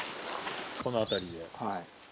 この辺りで。